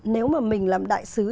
nếu mà mình làm đại sứ